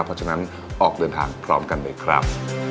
เพราะฉะนั้นออกเดินทางพร้อมกันเลยครับ